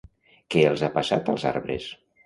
Què els ha passat als arbres?